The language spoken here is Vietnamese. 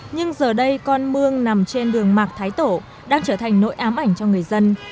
nhưng giờ đây con mương nằm trên đường mạc thái tổ đang trở thành nỗi ám ảnh cho người dân